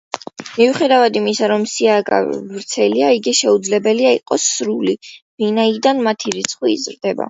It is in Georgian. მიუხედავად იმისა, რომ სია ვრცელია, იგი შეუძლებელია, იყოს სრული, ვინაიდან მათი რიცხვი იზრდება.